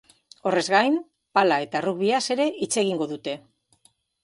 Horrez gain, pala eta errugbiaz ere hitz egingo dute.